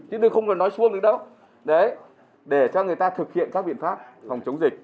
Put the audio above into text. chứ tôi không cần nói xuống được đâu để cho người ta thực hiện các biện pháp phòng chống dịch